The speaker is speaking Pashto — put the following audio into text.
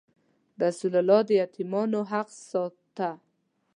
رسول الله د یتیمانو حق ساته.